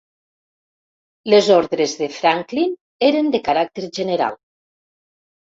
Les ordres de Franklin eren de caràcter general.